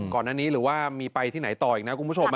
ก่อนอันนี้หรือว่ามีไปที่ไหนต่ออีกนะคุณผู้ชม